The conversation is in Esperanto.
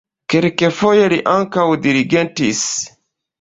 Kelkfoje li ankaŭ dirigentis.